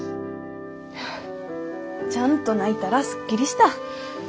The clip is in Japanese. ちゃんと泣いたらスッキリした。